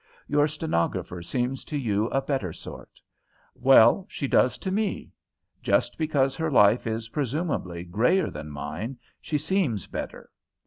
Your stenographer seems to you a better sort. Well, she does to me. Just because her life is, presumably, greyer than mine, she seems better.